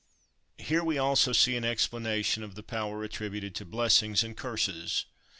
Here we also see an explanation of the power attributed to blessings and curses.